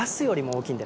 大きい！